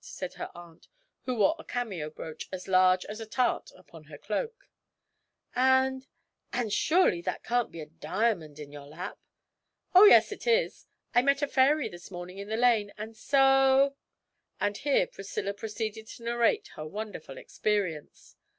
said her aunt (who wore a cameo brooch as large as a tart upon her cloak), 'and and surely that can't be a diamond in your lap?' 'Oh, yes, it is. I met a fairy this morning in the lane, and so ' and here Priscilla proceeded to narrate her wonderful experience.